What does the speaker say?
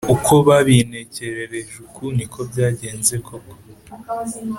“uko babintekerereje uku niko byagenze koko